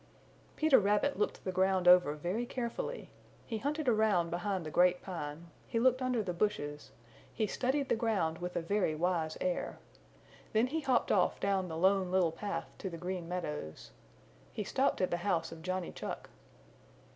Peter Rabbit looked the ground over very carefully. He hunted around behind the Great Pine, he looked under the bushes, he studied the ground with a very wise air. Then he hopped off down the Lone Little Path to the Green Meadows. He stopped at the house of Johnny Chuck.